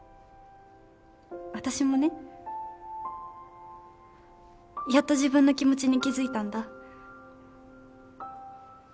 私もねやっと自分の気持ちに気づいたんだ。